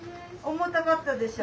重たかったでしょ？